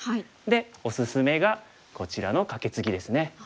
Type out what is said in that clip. でおすすめがこちらのカケツギですね。